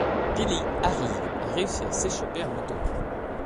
Billy arrive et réussit à s’échapper à moto.